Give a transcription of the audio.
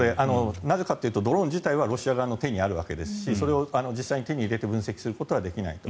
なぜかというとドローン自体はロシア側の手にあるわけですしそれを実際に手に入れて分析することはできないと。